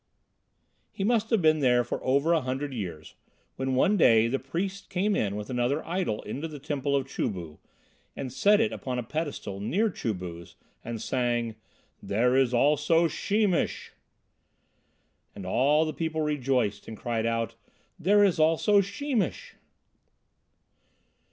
He must have been there for over a hundred years when one day the priests came in with another idol into the temple of Chu bu, and set it up on a pedestal near Chu bu's and sang, "There is also Sheemish." And all the people rejoiced and cried out, "There is also Sheemish."